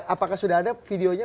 apakah sudah ada videonya